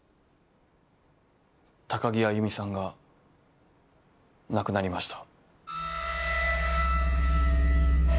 高城歩さんが亡くなりました。